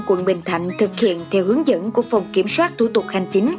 quận bình thạnh thực hiện theo hướng dẫn của phòng kiểm soát thủ tục hành chính